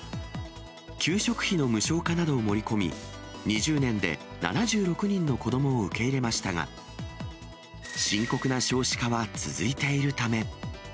給食費の無償化などを盛り込み、２０年で７６人の子どもを受け入れましたが、深刻な少子化は続いているため。